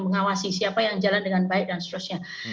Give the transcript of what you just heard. mengawasi siapa yang jalan dengan baik dan seterusnya